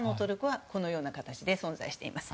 このような形で存在しています。